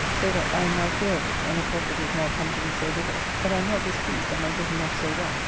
So that I am now clear of it, and the profit is now come to be so little that I am not displeased at my getting off so well.